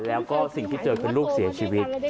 แล้วก็สิ่งที่เจอคือลูกเสียชีวิต